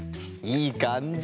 いいかんじ！